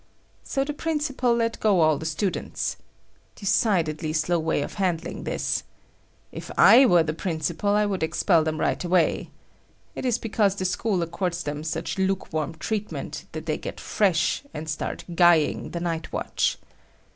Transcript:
So the principal let go all the students. Decidedly slow way of handling, this. If I were the principal, I would expel them right away. It is because the school accords them such luke warm treatment that they get "fresh" and start "guying" the night watch.